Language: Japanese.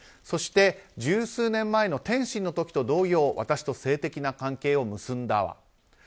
そして、十数年前の天津の時と同様私と性的な関係を結んだわ。